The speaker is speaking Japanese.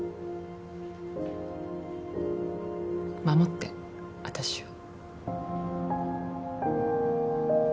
護って私を。